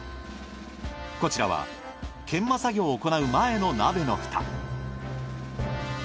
こちらは研磨作業を行う前の鍋のフタ。